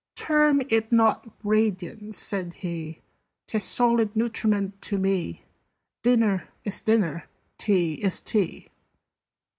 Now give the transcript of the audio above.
"Term it not 'radiance,'" said he: "'Tis solid nutriment to me. Dinner is Dinner: Tea is Tea."